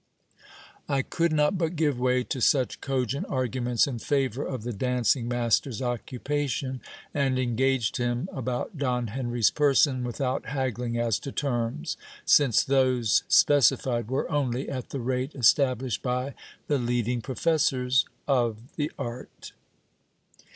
I could not but give way to such cogent arguments in favour of the dancing master's occupation, and engaged him about Don Henry's person without haggling as to terms, since those specified were only at the rate established by the leading professors of the art.